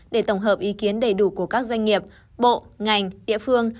để tổng hợp ý kiến đầy đủ của các doanh nghiệp bộ ngành địa phương